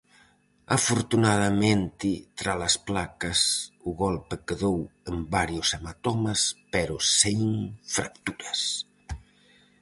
Afortunadamente, tralas placas, o golpe quedou en varios hematomas pero sen fracturas.